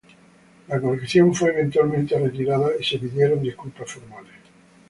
La colección fue eventualmente retirada y se pidieron disculpas formales.